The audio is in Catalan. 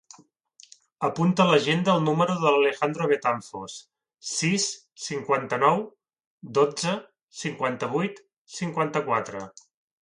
Apunta a l'agenda el número de l'Alejandro Betanzos: sis, cinquanta-nou, dotze, cinquanta-vuit, cinquanta-quatre.